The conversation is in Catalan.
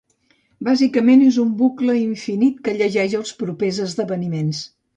Bàsicament és un bucle infinit que llegeix els propers esdeveniments.